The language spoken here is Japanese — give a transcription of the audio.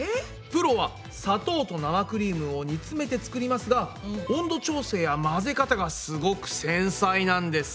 プロは砂糖と生クリームを煮詰めて作りますが温度調整や混ぜ方がすごく繊細なんです。